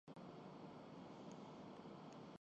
کیا دین دار لوگ ہیں۔